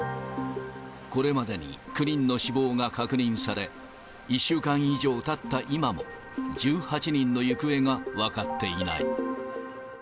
これまでに９人の死亡が確認され、１週間以上たった今も、１８人の行方が分かっていない。